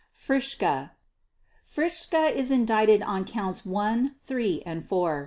FRITZSCHE Fritzsche is indicted on Counts One, Three, and Four.